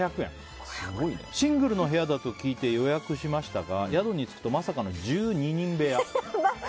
シングルの部屋だと聞いて予約しましたが、宿に着くとまさかの１２人部屋。